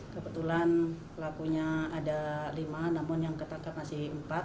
kebetulan pelakunya ada lima namun yang ketangkap masih empat